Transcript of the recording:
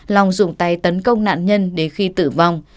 long dùng tay tấn công nạn nhân đến khi tử vong